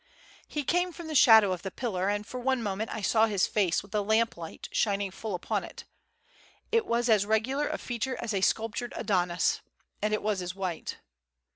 He came from the shadow of the pillar, and for one minute I saw his face with the lamplight shining full upon it. It was as regular of feature as a sculptured Adonis, and it was as white.